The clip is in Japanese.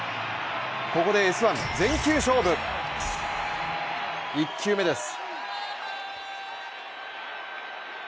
ここで「Ｓ☆１」全球勝負１球目です。